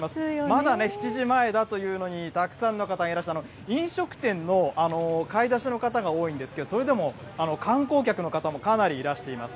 まだ７時前だというのにたくさんの方がいらして、飲食店の買い出しの方が多いんですけれども、それでも観光客の方もかなりいらしています。